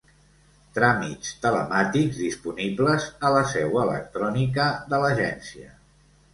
Tràmits telemàtics disponibles a la seu electrònica de l'Agència.